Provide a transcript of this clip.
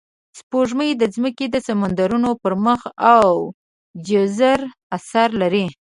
سپوږمۍ د ځمکې د سمندرونو پر مد او جزر اثر لري